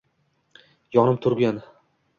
Yonib turgan